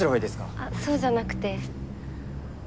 あっそうじゃなくて。